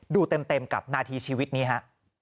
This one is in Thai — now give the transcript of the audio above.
ดูเต็มกับนาทีชีวิตนี้ฮะ